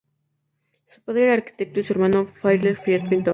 Su padre era arquitecto y su hermano Fairfield pintor.